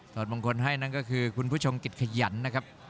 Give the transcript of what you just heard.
อดมงคลให้นั่นก็คือคุณผู้ชมจิตขยันนะครับ